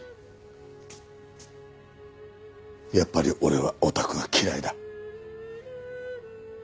やっぱり俺はオタクが嫌いだ。